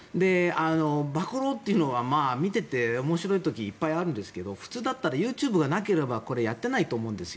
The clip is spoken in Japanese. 暴露というのは見ていて面白い時いっぱいあるんですが普通だったらＹｏｕＴｕｂｅがなければこれ、やっていないと思うんですよ。